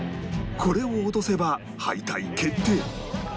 これを落とせば敗退決定